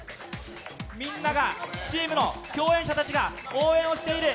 みんなが、チームの共演者たちが応援をしている。